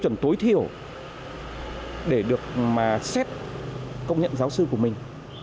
hãy hiểu để được mà xét công nhận giáo sư của mình